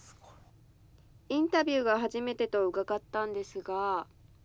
インタビューが初めてと伺ったんですが。